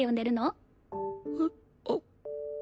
うっあっ。